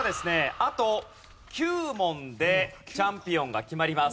あと９問でチャンピオンが決まります。